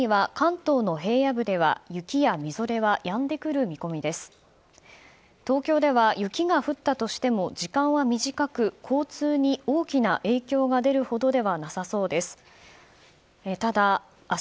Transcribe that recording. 東京では、雪が降ったとしても時間は短く交通に大きな影響が出るほどではなさそうです。